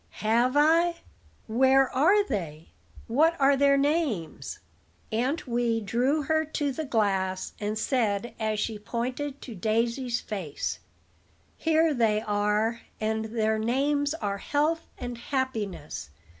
"Have I? Where are they? What are their names?" Aunt Wee drew her to the glass, and said, as she pointed to Daisy's face: "Here they are, and their names are Health and Happiness.